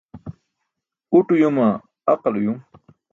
Uṭ uyuma, aqal uyum?